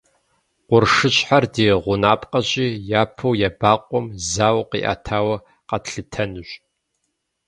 Къуршыщхьэр ди гъунапкъэщи, япэу ебакъуэм зауэ къиӏэтауэ къэтлъытэнущ.